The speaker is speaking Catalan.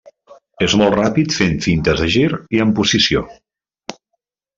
És molt ràpid fent fintes a gir i en posició.